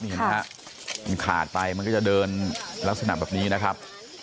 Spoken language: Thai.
เห็นไหมฮะมันขาดไปมันก็จะเดินลักษณะแบบนี้นะครับ